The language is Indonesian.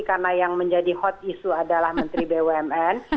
karena yang menjadi hot issue adalah menteri bumn